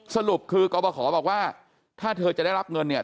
สรุปคือกรบขอบอกว่าถ้าเธอจะได้รับเงินเนี่ย